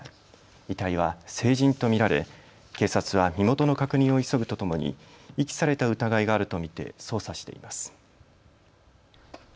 遺体は成人と見られ警察は身元の確認を急ぐとともに遺棄された疑いがあると見て捜査しています。